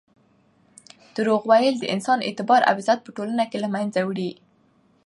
درواغ ویل د انسان اعتبار او عزت په ټولنه کې له منځه وړي.